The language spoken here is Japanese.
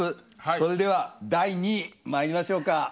それでは第２位まいりましょうか。